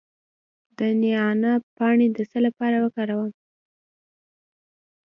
د نعناع پاڼې د څه لپاره وکاروم؟